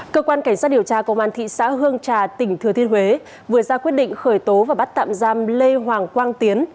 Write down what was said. cơ quan cảnh sát điều tra công an thị xã hương trà tỉnh thừa thiên huế vừa ra quyết định khởi tố và bắt tạm giam lê hoàng quang tiến